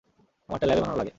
আমারটা ল্যাবে বানানো লাগে।